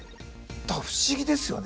だから不思議ですよね。